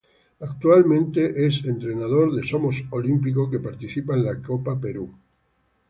Actualmente es entrenador de Somos Olímpico que participa en la Copa Perú.